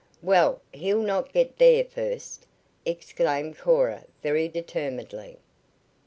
"Well, he'll not get there first!" exclaimed Cora very determinedly.